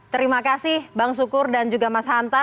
terima kasih bang sukur dan juga mas hanta